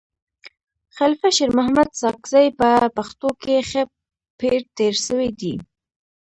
خلیفه شیرمحمد ساکزی په پښتنو کي ښه پير تير سوی دی.